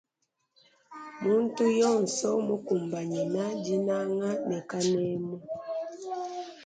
Muntu yonsu mmukumbanyina dinanga ne kanemu.